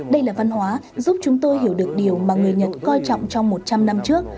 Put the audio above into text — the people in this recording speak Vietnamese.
đây là văn hóa giúp chúng tôi hiểu được điều mà người nhật coi trọng trong một trăm linh năm trước